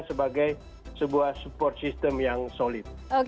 sebagai sebuah support system yang solid